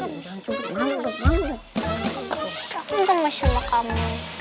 bangun dong masya allah kamu